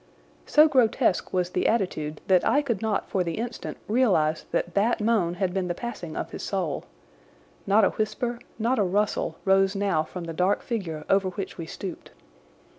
So grotesque was the attitude that I could not for the instant realise that that moan had been the passing of his soul. Not a whisper, not a rustle, rose now from the dark figure over which we stooped.